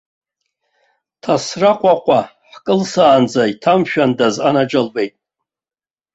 Ҭасраҟәаҟа ҳкылсаанӡа иҭамшәандаз, анаџьалбеит.